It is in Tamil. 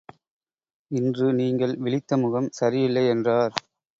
இன்று நீங்கள் விழித்த முகம் சரி இல்லை என்றார்.